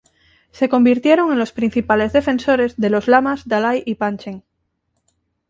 Se convirtieron en los principales defensores de los lamas dalái y panchen.